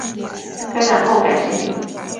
该党后改现名。